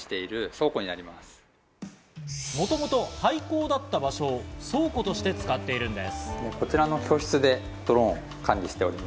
もともと廃校だった場所を倉庫として使っているんです。